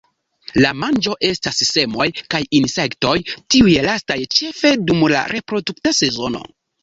La manĝo estas semoj kaj insektoj, tiuj lastaj ĉefe dum la reprodukta sezono.